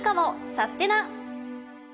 サステナ！